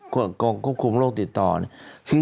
ควบคุมโลกติดต่อนี้